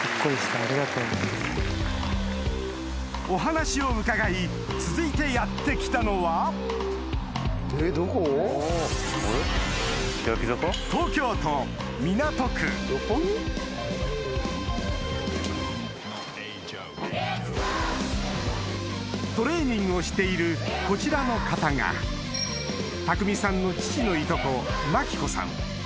お話を伺い続いてやって来たのはトレーニングをしているこちらの方が匠海さんの父のいとこマキ子さん